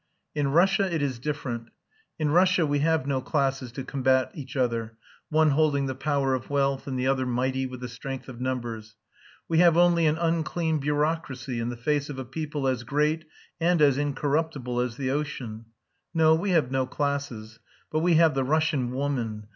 In Russia it is different. In Russia we have no classes to combat each other, one holding the power of wealth, and the other mighty with the strength of numbers. We have only an unclean bureaucracy in the face of a people as great and as incorruptible as the ocean. No, we have no classes. But we have the Russian woman.